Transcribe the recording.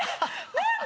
⁉何で？